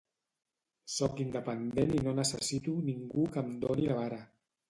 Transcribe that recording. Sóc independent i no necessito ningú que em doni la vara